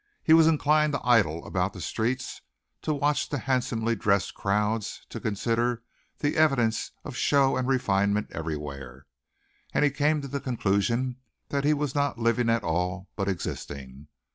He was inclined to idle about the streets, to watch the handsomely dressed crowds, to consider the evidences of show and refinement everywhere, and he came to the conclusion that he was not living at all, but existing.